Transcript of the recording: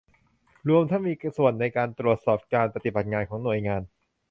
รวมทั้งมีส่วนในการตรวจสอบการปฏิบัติงานของหน่วยงาน